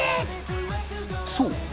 そう！